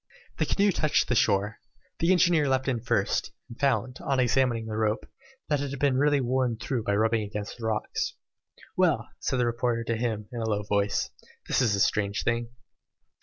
The canoe touched the shore. The engineer leapt in first, and found, on examining the rope, that it had been really worn through by rubbing against the rocks. "Well," said the reporter to him, in a low voice, "this is a strange thing."